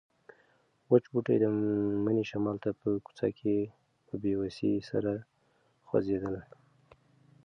وچ بوټي د مني شمال ته په کوڅه کې په بې وسۍ سره خوځېدل.